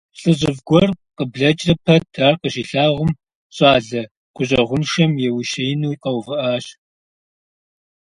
ЛӀыжьыфӀ гуэр, къыблэкӀрэ пэт ар къыщилъагъум, щӀалэ гущӀэгъуншэм еущиену къэувыӀащ.